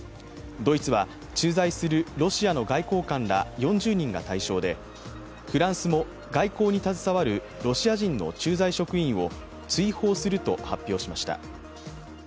ドイツは駐在するロシアの外交官ら４０人が対象で、フランスも外交に携わるロシア人の駐在職員を追放すると発表しました。